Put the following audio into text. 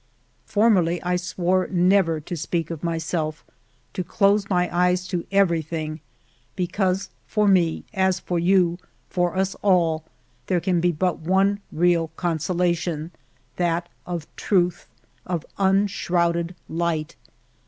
" Formerly I swore never to speak of myself, to close my eyes to everything, because for me, as for you, for us all, there can be but one real consolation ... that of truth, of unshrouded light.